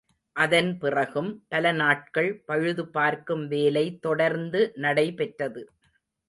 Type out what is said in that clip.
அதன் பிறகும், பல நாட்கள் பழுதுபார்க்கும் வேலை தொடர்ந்து நடைபெற்றது.